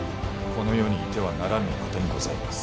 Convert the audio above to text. この世にいてはならぬお方にございます。